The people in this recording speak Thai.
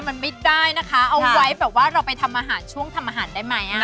เอาไว้แบบว่าเราไปทำอาหารช่วงทำอาหารได้ไหม